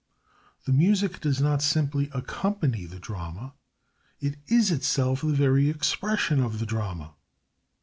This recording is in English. The music does not simply accompany the drama it is itself the very expression of the drama.